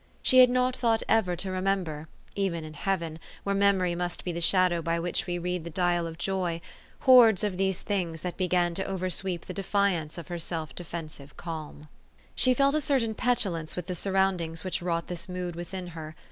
She had not thought ever to remember, even in heaven, where memory must be the shadow by which we read the dial of joy, hordes of these things that began to oversweep the defiance of her self defensive calm. She felt a certain petulance with the surroundings which wrought this mood within her.